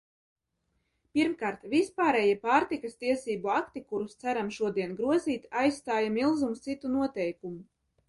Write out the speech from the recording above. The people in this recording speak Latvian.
Pirmkārt, vispārējie pārtikas tiesību akti, kurus ceram šodien grozīt, aizstāja milzums citu noteikumu.